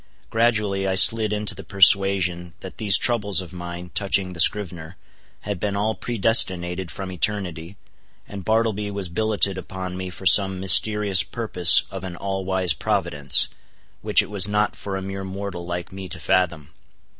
Gradually I slid into the persuasion that these troubles of mine touching the scrivener, had been all predestinated from eternity, and Bartleby was billeted upon me for some mysterious purpose of an all wise Providence, which it was not for a mere mortal like me to fathom.